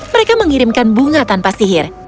mereka mengirimkan bunga tanpa sihir